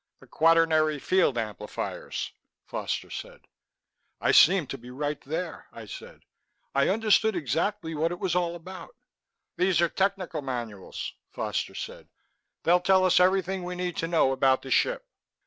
"The quaternary field amplifiers," Foster said. "I seemed to be right there," I said. "I understood exactly what it was all about." "These are technical manuals," Foster said. "They'll tell us everything we need to know about the ship."